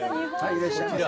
いらっしゃいませ。